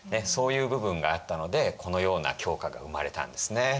そういう部分があったのでこのような狂歌が生まれたんですね。